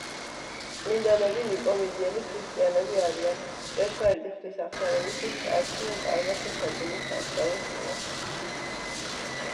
წმინდანები ნიკომიდიელი ქრისტიანები არიან, ჭეშმარიტი ღვთის აღსარებისთვის წარდგნენ წარმართი მსაჯულის სამსჯავროს წინაშე.